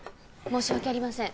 申し訳ありません。